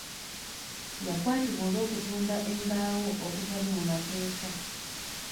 Yakwatibwa olw'okutunda embaawo okutaali mu mateeka.